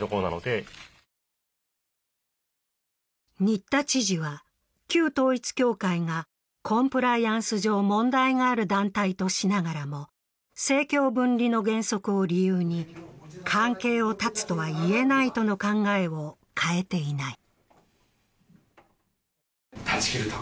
新田知事は旧統一教会がコンプライアンス上問題がある団体としながらも政教分離の原則を理由に関係を断つとは言えないとの考えを変えていない。